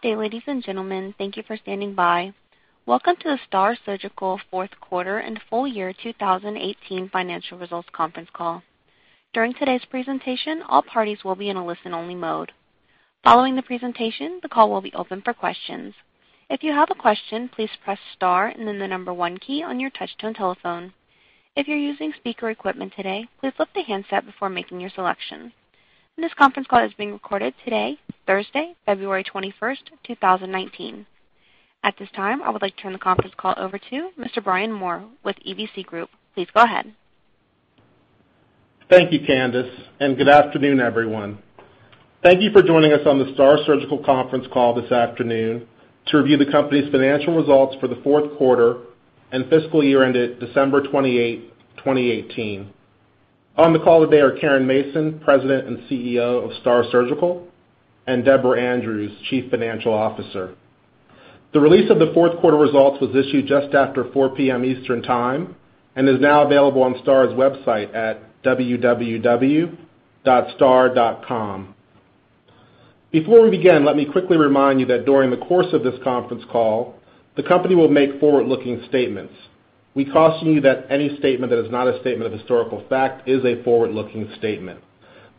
Good day, ladies and gentlemen. Thank you for standing by. Welcome to the STAAR Surgical Fourth Quarter and Full Year 2018 Financial Results Conference Call. During today's presentation, all parties will be in a listen-only mode. Following the presentation, the call will be open for questions. If you have a question, please press star and then the number one key on your touch-tone telephone. If you're using speaker equipment today, please lift the handset before making your selection. This conference call is being recorded today, Thursday, February 21st, 2019. At this time, I would like to turn the conference call over to Mr. Brian Moore with EVC Group. Please go ahead. Thank you, Candice. Good afternoon, everyone. Thank you for joining us on the STAAR Surgical conference call this afternoon to review the company's financial results for the fourth quarter and fiscal year ended December 28, 2018. On the call today are Caren Mason, President and CEO of STAAR Surgical, and Deborah Andrews, Chief Financial Officer. The release of the fourth quarter results was issued just after 4:00 P.M. Eastern Time and is now available on STAAR's website at www.staar.com. Before we begin, let me quickly remind you that during the course of this conference call, the company will make forward-looking statements. We caution you that any statement that is not a statement of historical fact is a forward-looking statement.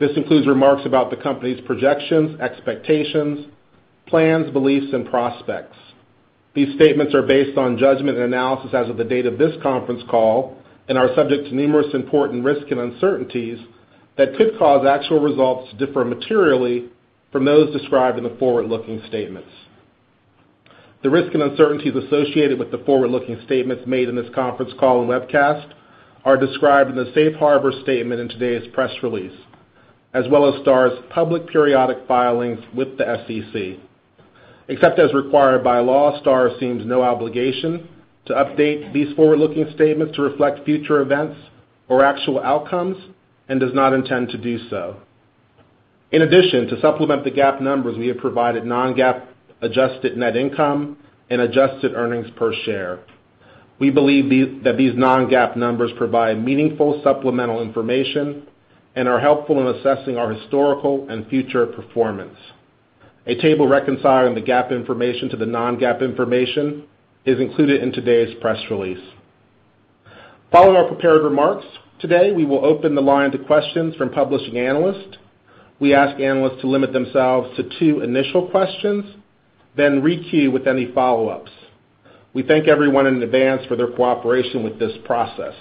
This includes remarks about the company's projections, expectations, plans, beliefs, and prospects. These statements are based on judgment and analysis as of the date of this conference call and are subject to numerous important risks and uncertainties that could cause actual results to differ materially from those described in the forward-looking statements. The risks and uncertainties associated with the forward-looking statements made in this conference call and webcast are described in the safe harbor statement in today's press release, as well as STAAR's public periodic filings with the SEC. Except as required by law, STAAR assumes no obligation to update these forward-looking statements to reflect future events or actual outcomes and does not intend to do so. In addition, to supplement the GAAP numbers, we have provided non-GAAP adjusted net income and adjusted earnings per share. We believe that these non-GAAP numbers provide meaningful supplemental information and are helpful in assessing our historical and future performance. A table reconciling the GAAP information to the non-GAAP information is included in today's press release. Following our prepared remarks today, we will open the line to questions from publishing analysts. We ask analysts to limit themselves to two initial questions, then re-queue with any follow-ups. We thank everyone in advance for their cooperation with this process.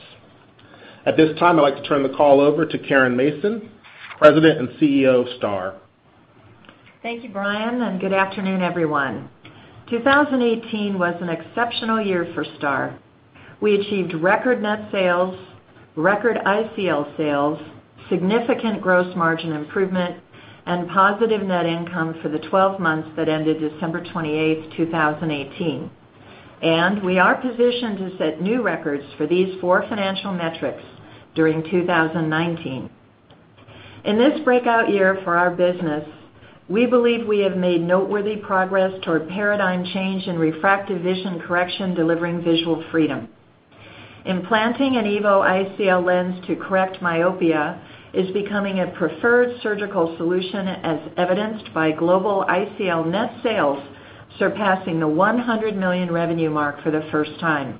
At this time, I'd like to turn the call over to Caren Mason, President and CEO of STAAR. Thank you, Brian, good afternoon, everyone. 2018 was an exceptional year for STAAR. We achieved record net sales, record ICL sales, significant gross margin improvement, and positive net income for the 12 months that ended December 28th, 2018. We are positioned to set new records for these 4 financial metrics during 2019. In this breakout year for our business, we believe we have made noteworthy progress toward paradigm change in refractive vision correction, delivering visual freedom. Implanting an EVO ICL lens to correct myopia is becoming a preferred surgical solution as evidenced by global ICL net sales surpassing the $100 million revenue mark for the first time.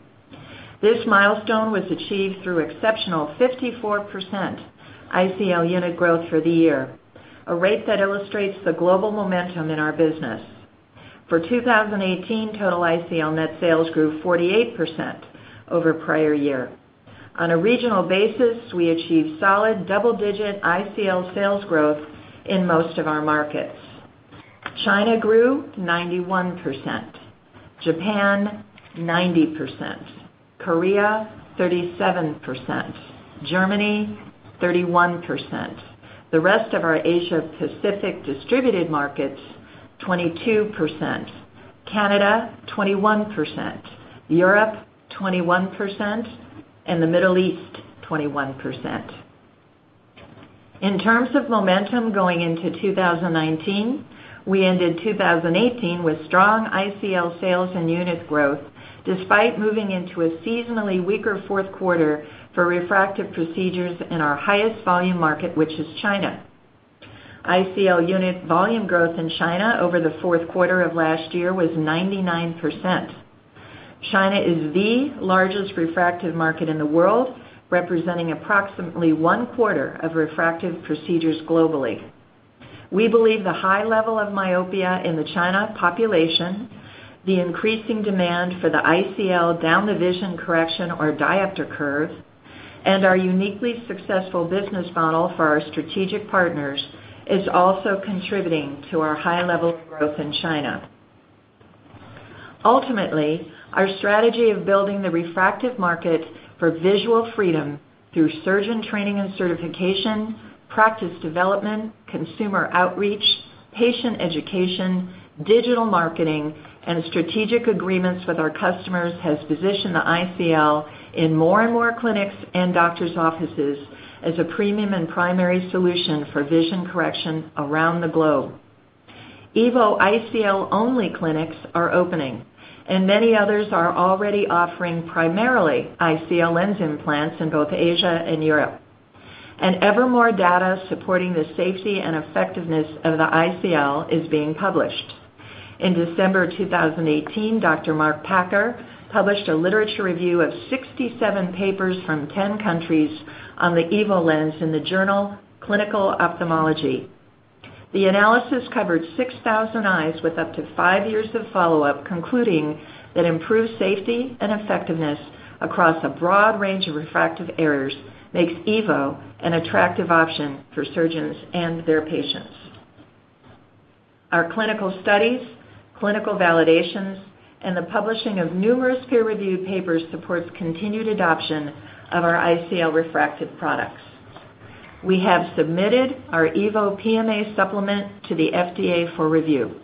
This milestone was achieved through exceptional 54% ICL unit growth for the year, a rate that illustrates the global momentum in our business. For 2018, total ICL net sales grew 48% over prior year. On a regional basis, we achieved solid double-digit ICL sales growth in most of our markets. China grew 91%, Japan 90%, Korea 37%, Germany 31%, the rest of our Asia-Pacific distributed markets 22%, Canada 21%, Europe 21%, and the Middle East 21%. In terms of momentum going into 2019, we ended 2018 with strong ICL sales and unit growth despite moving into a seasonally weaker fourth quarter for refractive procedures in our highest volume market, which is China. ICL unit volume growth in China over the fourth quarter of last year was 99%. China is the largest refractive market in the world, representing approximately one-quarter of refractive procedures globally. We believe the high level of myopia in the China population, the increasing demand for the ICL down the vision correction or diopter curve, and our uniquely successful business model for our strategic partners is also contributing to our high level of growth in China. Ultimately, our strategy of building the refractive market for visual freedom through surgeon training and certification, practice development, consumer outreach, patient education, digital marketing, and strategic agreements with our customers has positioned the ICL in more and more clinics and doctor's offices as a premium and primary solution for vision correction around the globe. EVO ICL-only clinics are opening, and many others are already offering primarily ICL lens implants in both Asia and Europe. Ever more data supporting the safety and effectiveness of the ICL is being published. In December 2018, Dr. Mark Packer published a literature review of 67 papers from 10 countries on the EVO lens in the journal "Clinical Ophthalmology". The analysis covered 6,000 eyes with up to five years of follow-up, concluding that improved safety and effectiveness across a broad range of refractive errors makes EVO an attractive option for surgeons and their patients. Our clinical studies, clinical validations, and the publishing of numerous peer-reviewed papers supports continued adoption of our ICL refractive products. We have submitted our EVO PMA supplement to the FDA for review.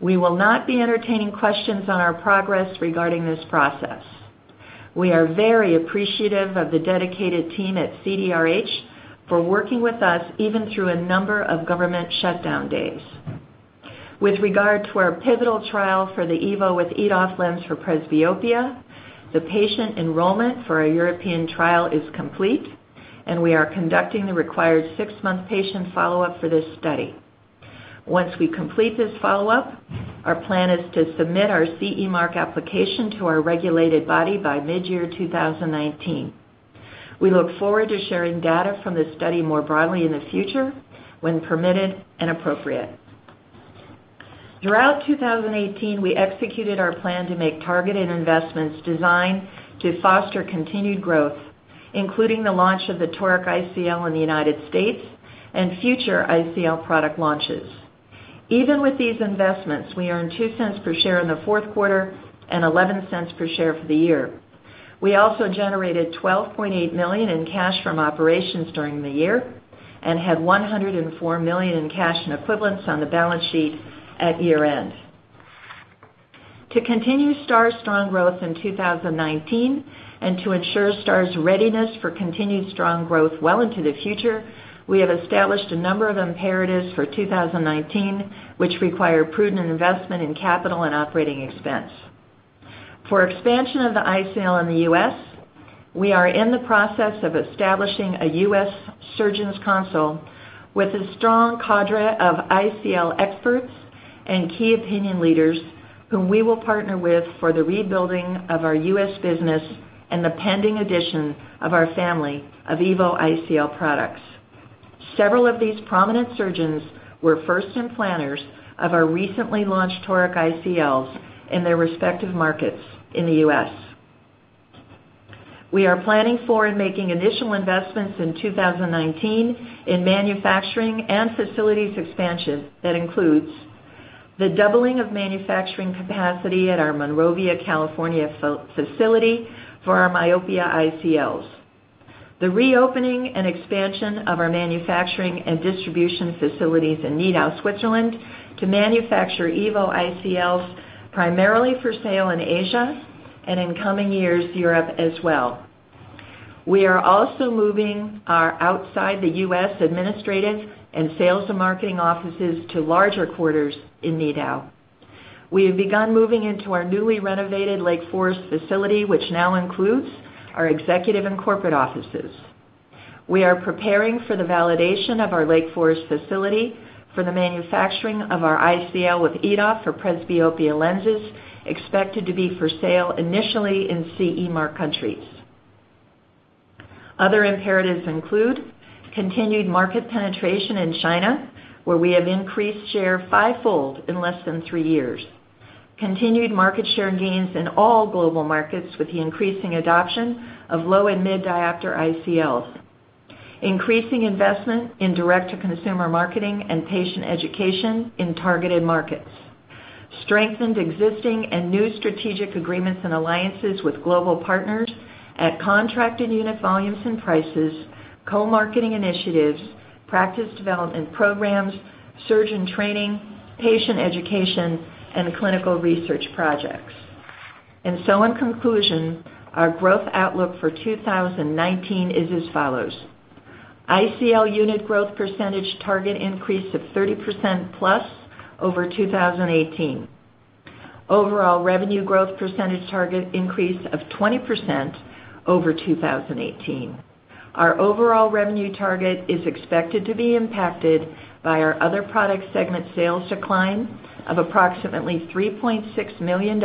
We will not be entertaining questions on our progress regarding this process. We are very appreciative of the dedicated team at CDRH for working with us even through a number of government shutdown days. With regard to our pivotal trial for the EVO with EDOF lens for presbyopia, the patient enrollment for our European trial is complete, and we are conducting the required six-month patient follow-up for this study. Once we complete this follow-up, our plan is to submit our CE mark application to our regulated body by mid-year 2019. We look forward to sharing data from this study more broadly in the future when permitted and appropriate. Throughout 2018, we executed our plan to make targeted investments designed to foster continued growth, including the launch of the Toric ICL in the United States and future ICL product launches. Even with these investments, we earned $0.02 per share in the fourth quarter and $0.11 per share for the year. We also generated $12.8 million in cash from operations during the year and had $104 million in cash and equivalents on the balance sheet at year-end. To continue STAAR's strong growth in 2019 and to ensure STAAR's readiness for continued strong growth well into the future, we have established a number of imperatives for 2019, which require prudent investment in capital and operating expense. For expansion of the ICL in the U.S., we are in the process of establishing a U.S. surgeons council with a strong cadre of ICL experts and key opinion leaders whom we will partner with for the rebuilding of our U.S. business and the pending addition of our family of EVO ICL products. Several of these prominent surgeons were first implanters of our recently launched Toric ICLs in their respective markets in the U.S. We are planning for and making initial investments in 2019 in manufacturing and facilities expansion that includes the doubling of manufacturing capacity at our Monrovia, California, facility for our myopia ICLs, the reopening and expansion of our manufacturing and distribution facilities in Nidau, Switzerland, to manufacture EVO ICLs primarily for sale in Asia and, in coming years, Europe as well. We are also moving our outside the U.S. administrative and sales and marketing offices to larger quarters in Nidau. We have begun moving into our newly renovated Lake Forest facility, which now includes our executive and corporate offices. We are preparing for the validation of our Lake Forest facility for the manufacturing of our ICL with EDOF for presbyopia lenses expected to be for sale initially in CE mark countries. Other imperatives include continued market penetration in China, where we have increased share fivefold in less than three years. Continued market share gains in all global markets with the increasing adoption of low and mid diopter ICLs. Increasing investment in direct-to-consumer marketing and patient education in targeted markets. Strengthened existing and new strategic agreements and alliances with global partners at contracted unit volumes and prices, co-marketing initiatives, practice development programs, surgeon training, patient education, and clinical research projects. In conclusion, our growth outlook for 2019 is as follows. ICL unit growth percentage target increase of 30%+ over 2018. Overall revenue growth percentage target increase of 20% over 2018. Our overall revenue target is expected to be impacted by our other product segment sales decline of approximately $3.6 million,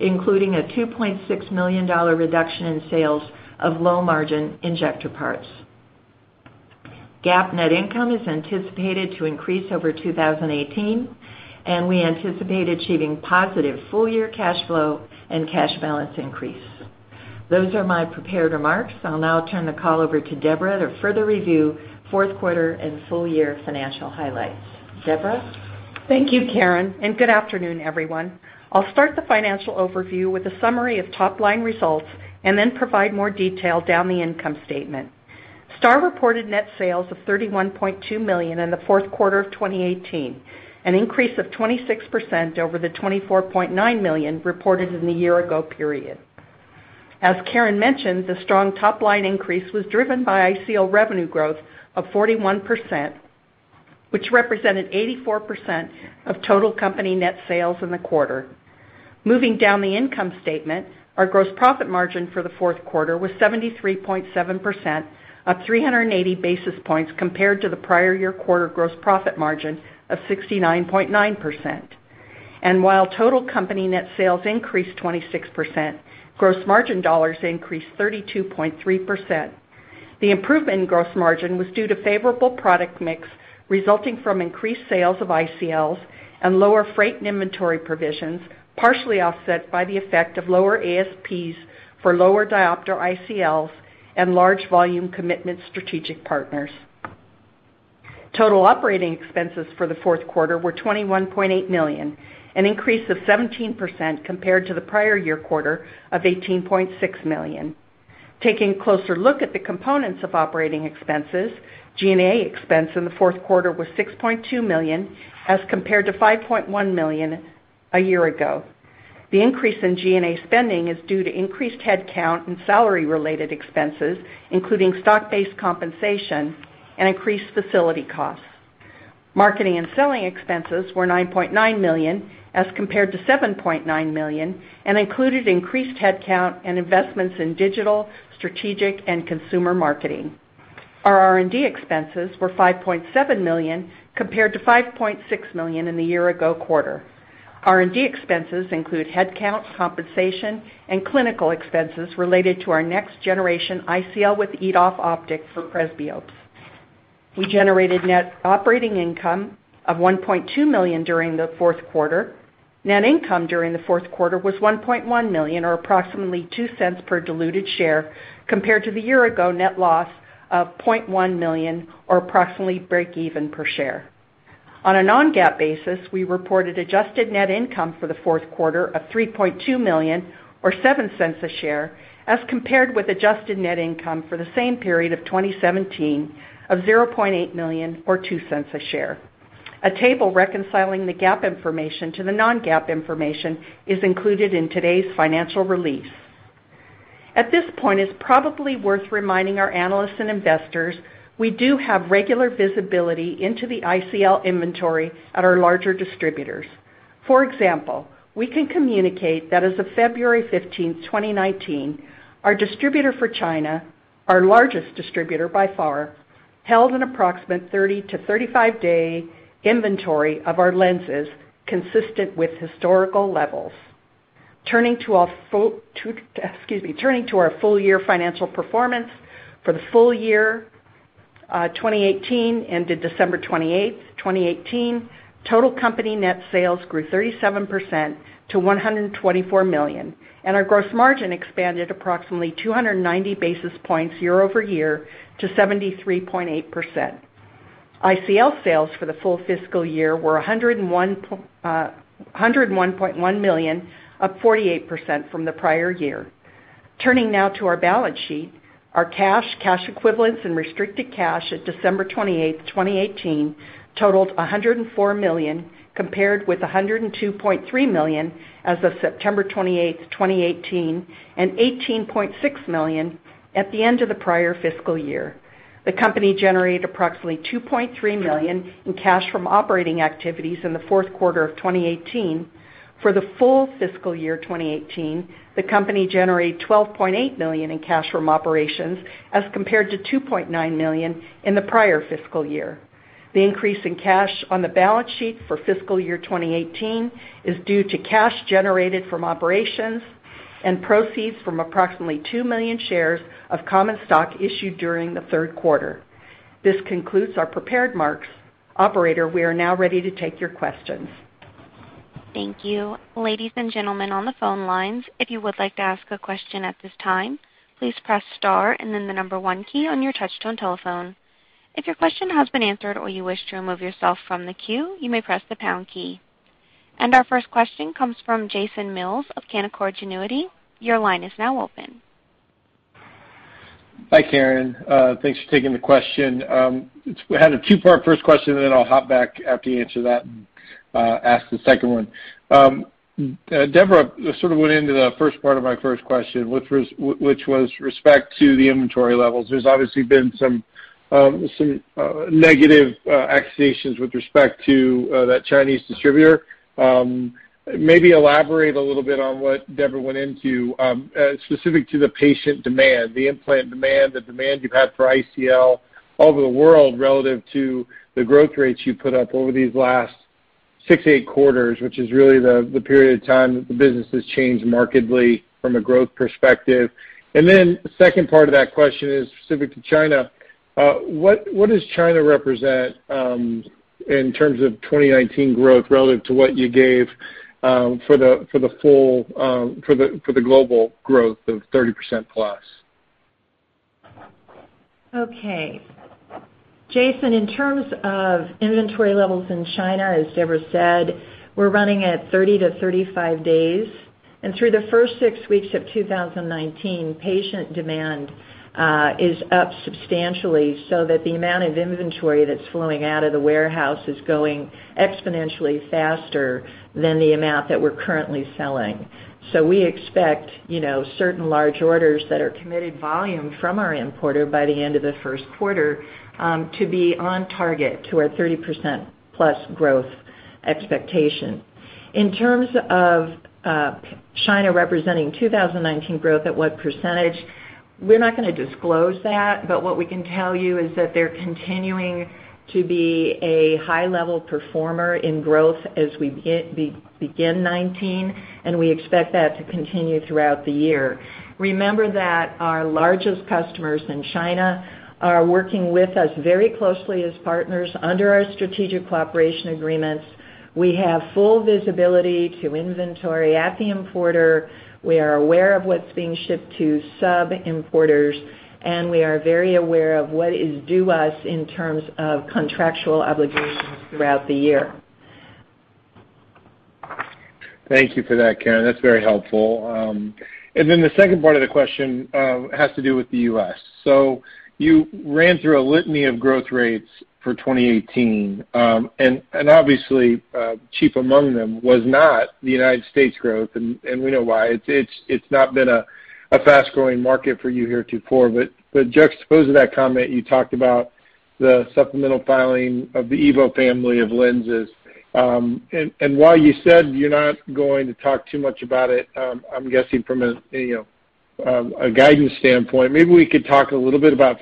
including a $2.6 million reduction in sales of low-margin injector parts. GAAP net income is anticipated to increase over 2018, and we anticipate achieving positive full-year cash flow and cash balance increase. Those are my prepared remarks. I'll now turn the call over to Deborah to further review fourth quarter and full year financial highlights. Deborah? Thank you, Caren, and good afternoon, everyone. I'll start the financial overview with a summary of top-line results and then provide more detail down the income statement. STAAR reported net sales of $31.2 million in the fourth quarter of 2018, an increase of 26% over the $24.9 million reported in the year-ago period. As Caren mentioned, the strong top-line increase was driven by ICL revenue growth of 41%. Which represented 84% of total company net sales in the quarter. Moving down the income statement, our gross profit margin for the fourth quarter was 73.7%, up 380 basis points compared to the prior year quarter gross profit margin of 69.9%. While total company net sales increased 26%, gross margin dollars increased 32.3%. The improvement in gross margin was due to favorable product mix resulting from increased sales of ICLs and lower freight and inventory provisions, partially offset by the effect of lower ASPs for lower diopter ICLs and large volume commitment strategic partners. Total operating expenses for the fourth quarter were $21.8 million, an increase of 17% compared to the prior year quarter of $18.6 million. Taking a closer look at the components of operating expenses, G&A expense in the fourth quarter was $6.2 million as compared to $5.1 million a year ago. The increase in G&A spending is due to increased headcount and salary related expenses, including stock-based compensation and increased facility costs. Marketing and selling expenses were $9.9 million as compared to $7.9 million and included increased headcount and investments in digital, strategic, and consumer marketing. Our R&D expenses were $5.7 million compared to $5.6 million in the year-ago quarter. R&D expenses include headcount, compensation, and clinical expenses related to our next generation ICL with EDOF optic for presbyopes. We generated net operating income of $1.2 million during the fourth quarter. Net income during the fourth quarter was $1.1 million, or approximately $0.02 per diluted share compared to the year-ago net loss of $0.1 million or approximately breakeven per share. On a non-GAAP basis, we reported adjusted net income for the fourth quarter of $3.2 million or $0.07 a share, as compared with adjusted net income for the same period of 2017 of $0.8 million or $0.02 a share. A table reconciling the GAAP information to the non-GAAP information is included in today's financial release. At this point, it's probably worth reminding our analysts and investors we do have regular visibility into the ICL inventory at our larger distributors. For example, we can communicate that as of February 15th, 2019, our distributor for China, our largest distributor by far, held an approximate 30 to 35-day inventory of our lenses, consistent with historical levels. Turning to our full year financial performance. For the full year 2018 ended December 28th, 2018, total company net sales grew 37% to $124 million, and our gross margin expanded approximately 290 basis points year-over-year to 73.8%. ICL sales for the full fiscal year were $101.1 million, up 48% from the prior year. Turning now to our balance sheet. Our cash equivalents, and restricted cash at December 28th, 2018 totaled $104 million, compared with $102.3 million as of September 28th, 2018, and $18.6 million at the end of the prior fiscal year. The company generated approximately $2.3 million in cash from operating activities in the fourth quarter of 2018. For the full fiscal year 2018, the company generated $12.8 million in cash from operations as compared to $2.9 million in the prior fiscal year. The increase in cash on the balance sheet for fiscal year 2018 is due to cash generated from operations and proceeds from approximately 2 million shares of common stock issued during the third quarter. This concludes our prepared remarks. Operator, we are now ready to take your questions. Thank you. Ladies and gentlemen on the phone lines, if you would like to ask a question at this time, please press star and then the number one key on your touch-tone telephone. If your question has been answered or you wish to remove yourself from the queue, you may press the pound key. Our first question comes from Jason Mills of Canaccord Genuity. Your line is now open. Hi, Caren. Thanks for taking the question. I had a two-part first question, then I'll hop back after you answer that and ask the second one. Deborah sort of went into the first part of my first question, which was with respect to the inventory levels. There's obviously been some negative accusations with respect to that Chinese distributor. Maybe elaborate a little bit on what Deborah went into, specific to the patient demand, the implant demand, the demand you've had for ICL all over the world relative to the growth rates you put up over these last six, eight quarters, which is really the period of time that the business has changed markedly from a growth perspective. The second part of that question is specific to China. What does China represent in terms of 2019 growth relative to what you gave for the global growth of 30%+? Okay. Jason, in terms of inventory levels in China, as Deborah said, we're running at 30-35 days. Through the first six weeks of 2019, patient demand is up substantially so that the amount of inventory that's flowing out of the warehouse is going exponentially faster than the amount that we're currently selling. We expect certain large orders that are committed volume from our importer by the end of the first quarter to be on target to our 30%+ growth Expectation. In terms of China representing 2019 growth at what percentage, we're not going to disclose that, but what we can tell you is that they're continuing to be a high-level performer in growth as we begin 2019, and we expect that to continue throughout the year. Remember that our largest customers in China are working with us very closely as partners under our strategic cooperation agreements. We have full visibility to inventory at the importer, we are aware of what's being shipped to sub-importers, and we are very aware of what is due us in terms of contractual obligations throughout the year. Thank you for that, Caren. That's very helpful. The second part of the question has to do with the U.S. You ran through a litany of growth rates for 2018, and obviously, chief among them was not the United States growth, and we know why. It's not been a fast-growing market for you here at four, but just those that comment, you talked about the supplemental filing of the EVO family of lenses. While you said you're not going to talk too much about it, I'm guessing from a guidance standpoint, maybe we could talk a little bit about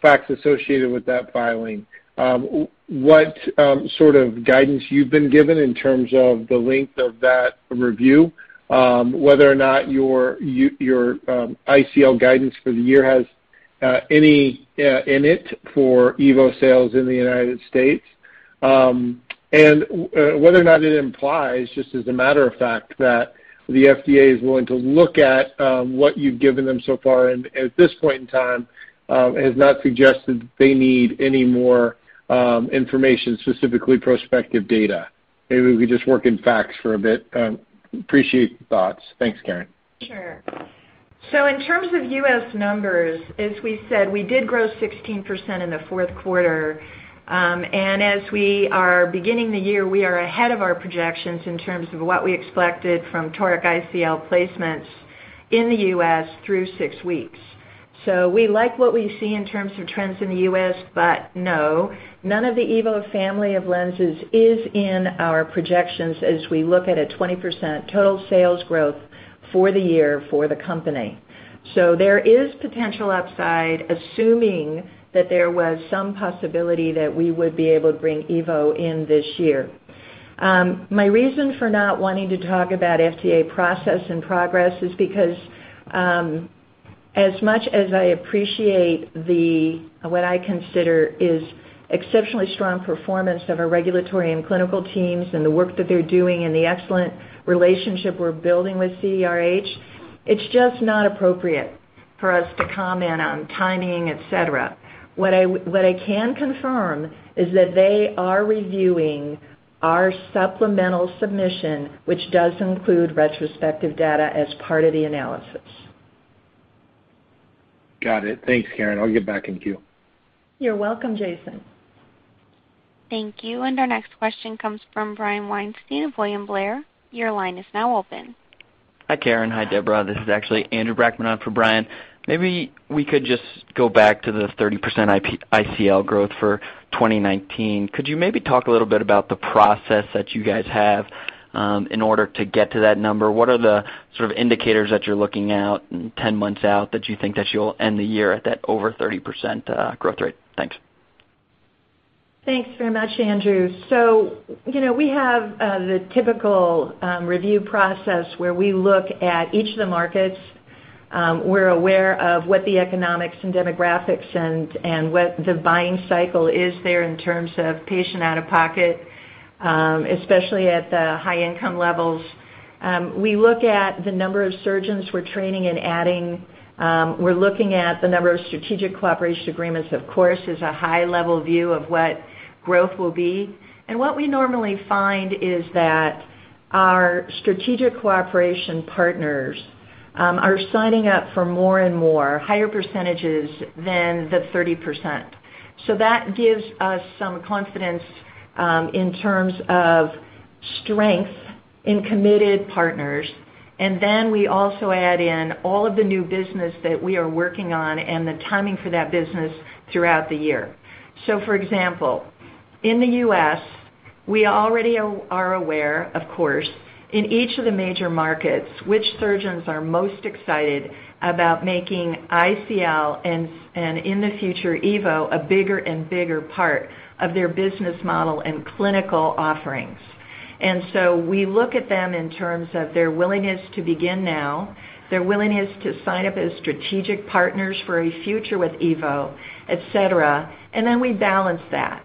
facts associated with that filing. What sort of guidance you've been given in terms of the length of that review, whether or not your ICL guidance for the year has any in it for EVO sales in the United States. Whether or not it implies, just as a matter of fact, that the FDA is willing to look at what you've given them so far and at this point in time, has not suggested they need any more information, specifically prospective data. Maybe we could just work in facts for a bit. Appreciate your thoughts. Thanks, Caren. Sure. In terms of U.S. numbers, as we said, we did grow 16% in the fourth quarter. As we are beginning the year, we are ahead of our projections in terms of what we expected from Toric ICL placements in the U.S. through six weeks. We like what we see in terms of trends in the U.S., but no, none of the EVO family of lenses is in our projections as we look at a 20% total sales growth for the year for the company. There is potential upside, assuming that there was some possibility that we would be able to bring EVO in this year. My reason for not wanting to talk about FDA process and progress is because as much as I appreciate what I consider is exceptionally strong performance of our regulatory and clinical teams and the work that they're doing and the excellent relationship we're building with CDRH, it's just not appropriate for us to comment on timing, et cetera. What I can confirm is that they are reviewing our supplemental submission, which does include retrospective data as part of the analysis. Got it. Thanks, Caren. I'll get back in queue. You're welcome, Jason. Thank you. Our next question comes from Brian Weinstein of William Blair. Your line is now open. Hi, Caren. Hi, Deborah. This is actually Andrew Brackmann on for Brian. Maybe we could just go back to the 30% ICL growth for 2019. Could you maybe talk a little bit about the process that you guys have in order to get to that number? What are the sort of indicators that you're looking at 10 months out that you think that you'll end the year at that over 30% growth rate? Thanks. Thanks very much, Andrew. We have the typical review process where we look at each of the markets. We're aware of what the economics and demographics and what the buying cycle is there in terms of patient out-of-pocket, especially at the high-income levels. We look at the number of surgeons we're training and adding. We're looking at the number of strategic cooperation agreements, of course, as a high-level view of what growth will be. What we normally find is that our strategic cooperation partners are signing up for more and more, higher percentages than the 30%. That gives us some confidence in terms of strength in committed partners. Then we also add in all of the new business that we are working on and the timing for that business throughout the year. For example, in the U.S., we already are aware, of course, in each of the major markets, which surgeons are most excited about making ICL, and in the future, EVO, a bigger and bigger part of their business model and clinical offerings. We look at them in terms of their willingness to begin now, their willingness to sign up as strategic partners for a future with EVO, et cetera. We balance that.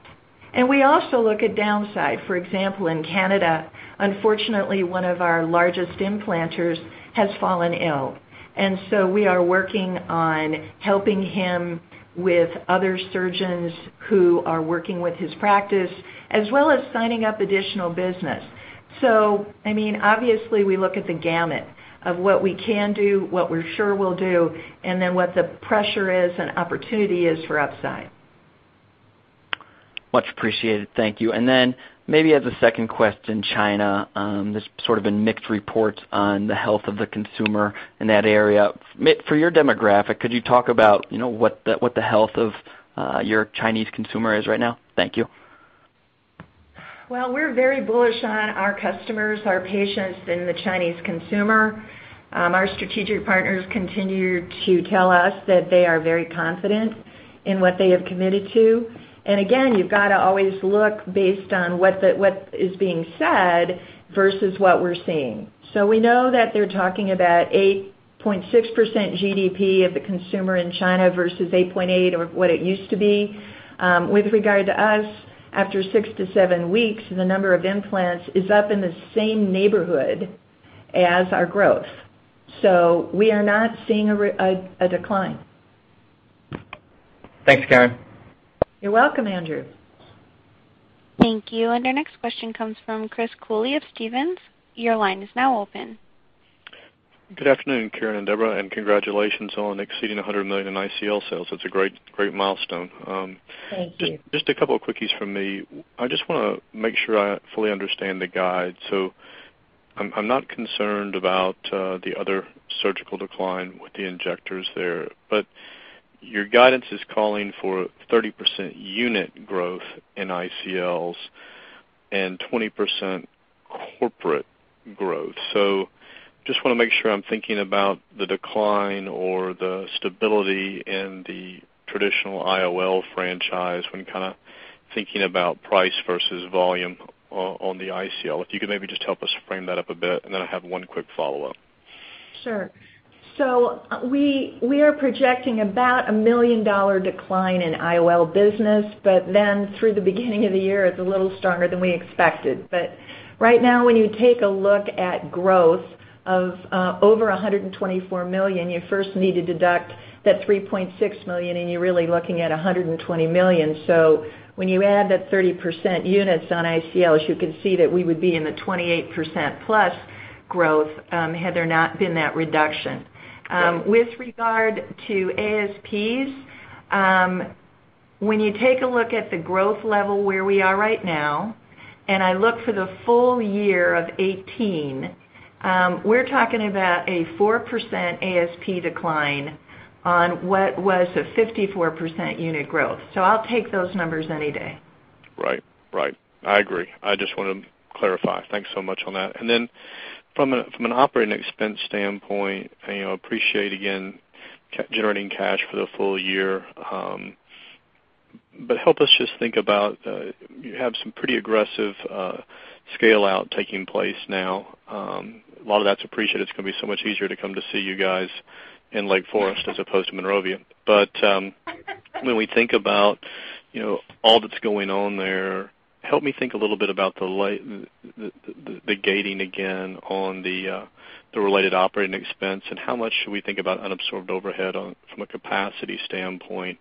We also look at downside. For example, in Canada, unfortunately, one of our largest implanters has fallen ill. We are working on helping him with other surgeons who are working with his practice, as well as signing up additional business. Obviously, we look at the gamut of what we can do, what we're sure we'll do, what the pressure is and opportunity is for upside. Much appreciated. Thank you. Maybe as a second question, China, there's sort of been mixed reports on the health of the consumer in that area. For your demographic, could you talk about what the health of your Chinese consumer is right now? Thank you. Well, we're very bullish on our customers, our patients, and the Chinese consumer. Our strategic partners continue to tell us that they are very confident in what they have committed to. Again, you've got to always look based on what is being said versus what we're seeing. We know that they're talking about 8.6% GDP of the consumer in China versus 8.8 or what it used to be. With regard to us, after six to seven weeks, the number of implants is up in the same neighborhood as our growth. We are not seeing a decline. Thanks, Caren. You're welcome, Andrew. Thank you. Our next question comes from Chris Cooley of Stephens. Your line is now open. Good afternoon, Caren and Deborah, congratulations on exceeding $100 million in ICL sales. That's a great milestone. Thank you. Just a couple of quickies from me. I just want to make sure I fully understand the guide. I'm not concerned about the other surgical decline with the injectors there, but your guidance is calling for 30% unit growth in ICLs and 20% corporate growth. Just want to make sure I'm thinking about the decline or the stability in the traditional IOL franchise when kind of thinking about price versus volume on the ICL. If you could maybe just help us frame that up a bit, and then I have one quick follow-up. Sure. We are projecting about a $1 million decline in IOL business, but through the beginning of the year, it's a little stronger than we expected. Right now, when you take a look at growth of over $124 million, you first need to deduct that $3.6 million, and you're really looking at $120 million. When you add that 30% units on ICLs, you can see that we would be in the 28% plus growth had there not been that reduction with regard to ASPs, when you take a look at the growth level where we are right now, and I look for the full year of 2018, we're talking about a 4% ASP decline on what was a 54% unit growth. I'll take those numbers any day. Right. I agree. I just want to clarify. Thanks so much on that. From an operating expense standpoint, I appreciate, again, generating cash for the full year. Help us just think about, you have some pretty aggressive scale-out taking place now. A lot of that's appreciated. It's going to be so much easier to come to see you guys in Lake Forest as opposed to Monrovia. When we think about all that's going on there, help me think a little bit about the gating again on the related operating expense, and how much should we think about unabsorbed overhead from a capacity standpoint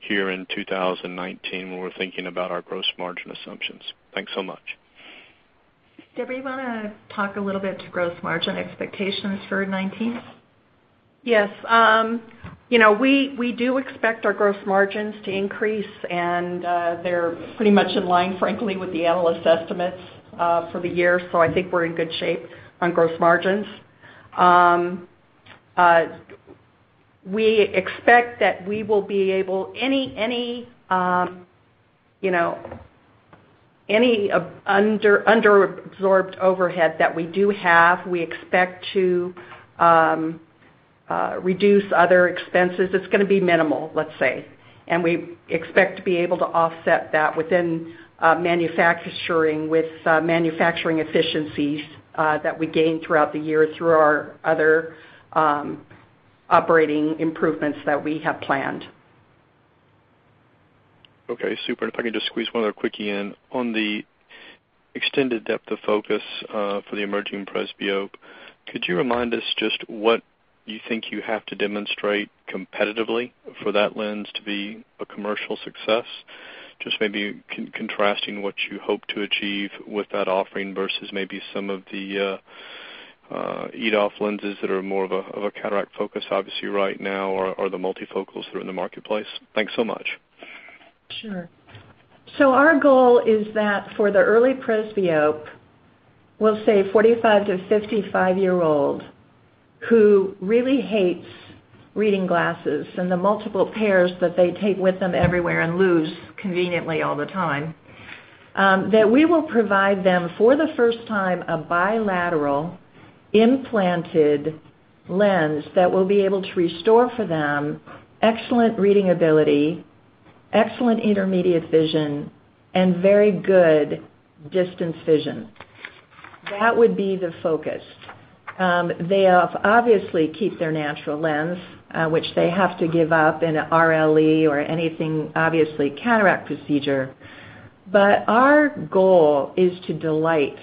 here in 2019 when we're thinking about our gross margin assumptions? Thanks so much. Deborah, you want to talk a little bit to gross margin expectations for 2019? Yes. We do expect our gross margins to increase, they're pretty much in line, frankly, with the analyst estimates for the year. I think we're in good shape on gross margins. We expect that any under-absorbed overhead that we do have, we expect to reduce other expenses. It's going to be minimal, let's say. We expect to be able to offset that within manufacturing with manufacturing efficiencies that we gain throughout the year through our other operating improvements that we have planned. Okay, super. If I can just squeeze one other quickie in. On the extended depth of focus for the emerging presbyope, could you remind us just what you think you have to demonstrate competitively for that lens to be a commercial success? Just maybe contrasting what you hope to achieve with that offering versus maybe some of the EDOF lenses that are more of a cataract focus, obviously, right now or the multifocals that are in the marketplace. Thanks so much. Sure. Our goal is that for the early presbyope, we'll say 45 to 55-year-old who really hates reading glasses and the multiple pairs that they take with them everywhere and lose conveniently all the time, that we will provide them, for the first time, a bilateral implanted lens that will be able to restore for them excellent reading ability, excellent intermediate vision, and very good distance vision. That would be the focus. They obviously keep their natural lens, which they have to give up in an RLE or anything, obviously, cataract procedure. Our goal is to delight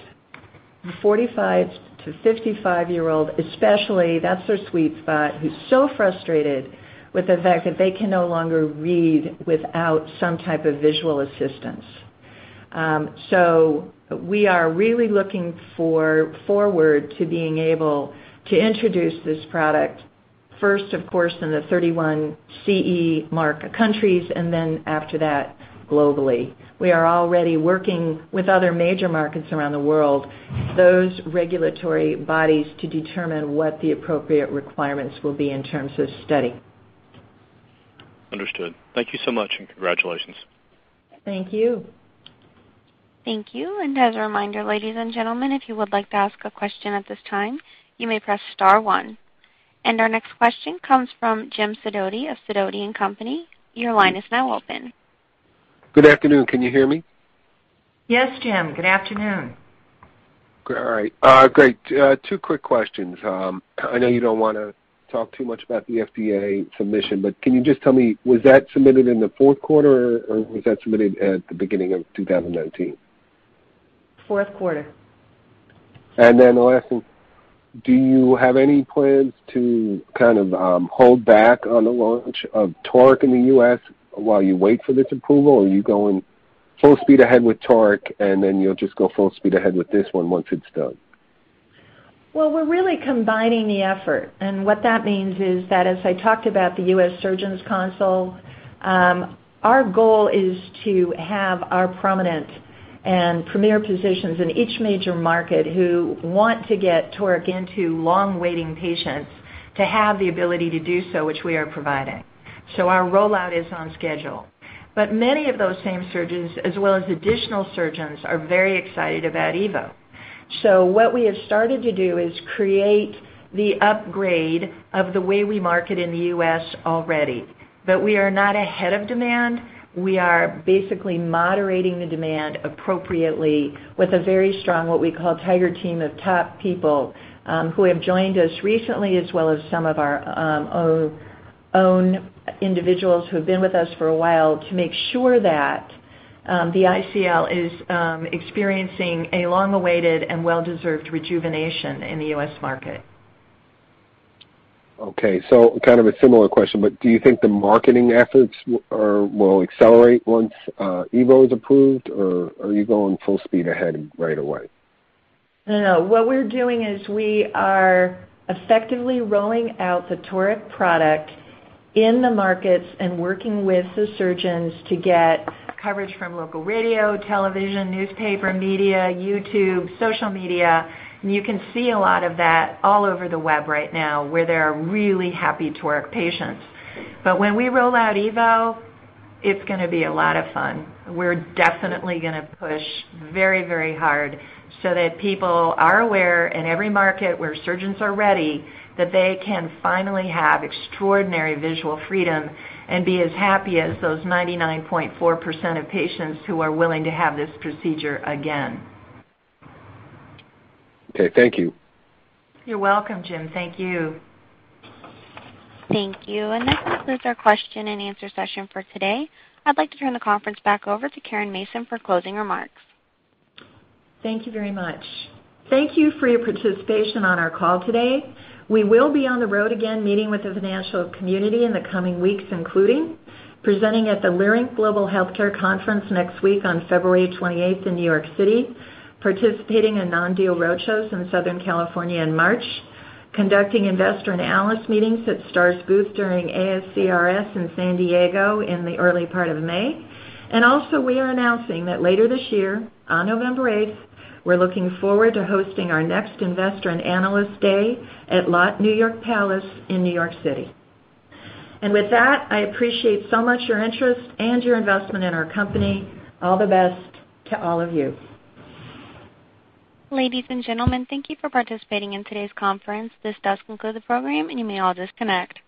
the 45 to 55-year-old, especially, that's their sweet spot, who's so frustrated with the fact that they can no longer read without some type of visual assistance. We are really looking forward to being able to introduce this product first, of course, in the 31 CE mark countries, and then after that, globally. We are already working with other major markets around the world, those regulatory bodies to determine what the appropriate requirements will be in terms of study. Understood. Thank you so much. Congratulations. Thank you. Thank you. As a reminder, ladies and gentlemen, if you would like to ask a question at this time, you may press star one. Our next question comes from Jim Sidoti of Sidoti & Company. Your line is now open. Good afternoon. Can you hear me? Yes, Jim. Good afternoon. Great. Two quick questions. I know you don't want to talk too much about the FDA submission, can you just tell me, was that submitted in the fourth quarter, or was that submitted at the beginning of 2019? Fourth quarter. The last one, do you have any plans to kind of hold back on the launch of Toric in the U.S. while you wait for this approval, or are you going full speed ahead with Toric, then you'll just go full speed ahead with this one once it's done? Well, we're really combining the effort, and what that means is that as I talked about the U.S. surgeons council, our goal is to have our prominent and premier positions in each major market who want to get Toric into long-waiting patients to have the ability to do so, which we are providing. Our rollout is on schedule. Many of those same surgeons, as well as additional surgeons, are very excited about EVO. What we have started to do is create the upgrade of the way we market in the U.S. already. We are not ahead of demand. We are basically moderating the demand appropriately with a very strong, what we call tiger team of top people, who have joined us recently as well as some of our own individuals who have been with us for a while to make sure that the ICL is experiencing a long-awaited and well-deserved rejuvenation in the U.S. market. Okay. Kind of a similar question, do you think the marketing efforts will accelerate once EVO is approved, or are you going full speed ahead right away? No. What we're doing is we are effectively rolling out the Toric product in the markets and working with the surgeons to get coverage from local radio, television, newspaper, media, YouTube, social media. You can see a lot of that all over the web right now, where there are really happy Toric patients. When we roll out EVO, it's going to be a lot of fun. We're definitely going to push very hard so that people are aware in every market where surgeons are ready that they can finally have extraordinary visual freedom and be as happy as those 99.4% of patients who are willing to have this procedure again. Okay. Thank you. You're welcome, Jim. Thank you. Thank you. That concludes our question and answer session for today. I'd like to turn the conference back over to Caren Mason for closing remarks. Thank you very much. Thank you for your participation on our call today. We will be on the road again meeting with the financial community in the coming weeks, including presenting at the Leerink Global Healthcare Conference next week on February 28th in New York City, participating in non-deal roadshows in Southern California in March, conducting investor and analyst meetings at STAAR's booth during ASCRS in San Diego in the early part of May. Also, we are announcing that later this year, on November 8th, we're looking forward to hosting our next investor and analyst day at Lotte New York Palace in New York City. With that, I appreciate so much your interest and your investment in our company. All the best to all of you. Ladies and gentlemen, thank you for participating in today's conference. This does conclude the program, and you may all disconnect.